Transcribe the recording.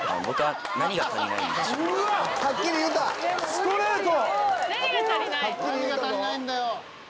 ストレート！